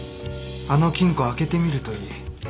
あの金庫開けてみるといい。